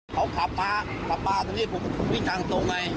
พ่อพะปะปะตัวนี้ผมกูวิ่งทางตรงไง